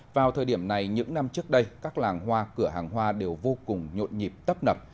vào thời điểm này những năm trước đây các làng hoa cửa hàng hoa đều vô cùng nhộn nhịp tấp nập